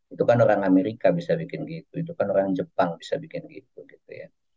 itu kan orang amerika bisa bikin gitu itu kan orang jepang bisa bikin gitu gitu ya